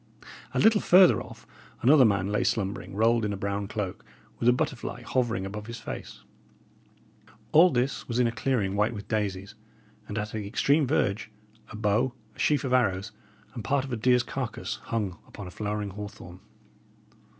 A little further off, another man lay slumbering, rolled in a brown cloak, with a butterfly hovering above his face. All this was in a clearing white with daisies; and at the extreme verge, a bow, a sheaf of arrows, and part of a deer's carcase, hung upon a flowering hawthorn.